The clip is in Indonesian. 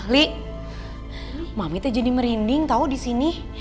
li mami tuh jadi merinding tau disini